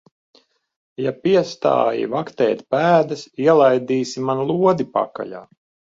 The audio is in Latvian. Ja piestāji vaktēt pēdas, ielaidīsi man lodi pakaļā.